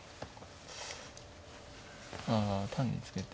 ああ単にツケて。